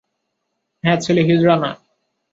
হ্যাঁ, ছেলে, হিজড়া না।